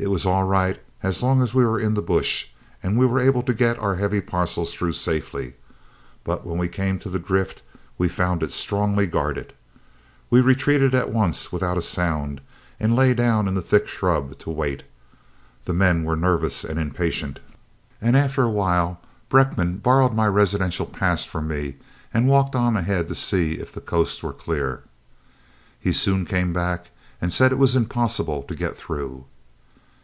It was all right as long as we were in the bush, and we were able to get our heavy parcels through safely, but when we came to the drift we found it strongly guarded. We retreated at once without a sound and lay down in the thick shrubs to wait. The men were nervous and impatient, and after a little while Brenckmann borrowed my residential pass from me and walked on ahead to see if the coast were clear. "He soon came back and said it was impossible to get through.